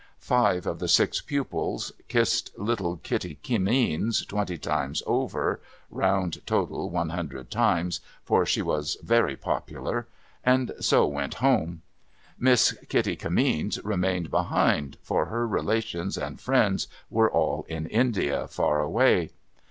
Five of the six pupils kissed little Kitty Kimmeens twenty times over (round total, one hundred times, for she was very popular), and so went home. Miss Kitty Kimmeens remained behind, for her relations and friends were all in India, far away.